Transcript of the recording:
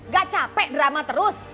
gak capek drama terus